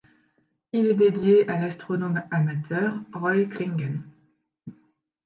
Il est dédié à l'astronome amateur Roy Clingan.